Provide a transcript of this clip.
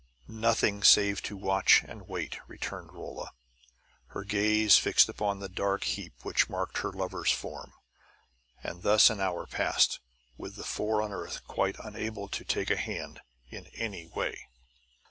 "Nothing, save to watch and wait," returned Rolla, her gaze fixed upon the dark heap which marked her lover's form. And thus an hour passed, with the four on the earth quite unable to take a hand in any way.